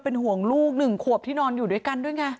เป็นห่วงลูก๑ขวบที่นอนอยู่ด้วยกันด้วยไง